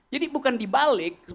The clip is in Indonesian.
jadi bukan dibalik